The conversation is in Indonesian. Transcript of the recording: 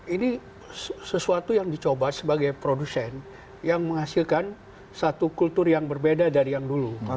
ini sesuatu yang dicoba sebagai produsen yang menghasilkan satu kultur yang berbeda dari yang dulu